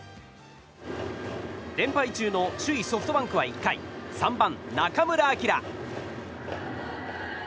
連敗中の首位ソフトバンクは１回３番、中村晃。